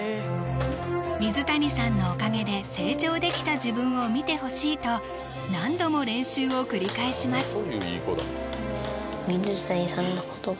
水谷さんのおかげで成長できた自分を見てほしいと何度も練習を繰り返しますあ